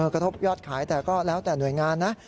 กระทบยอดขายแต่ก็แล้วแต่หน่วยงานนะ